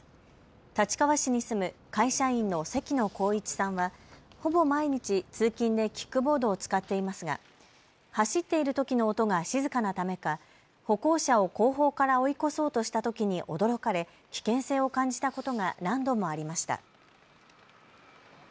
立川市に住む会社員の関野光一さんはほぼ毎日、通勤でキックボードを使っていますが走っているときの音が静かなためか、歩行者を後方から追い越そうとしたときに驚かれ、危険性を感じたことが何度もありました。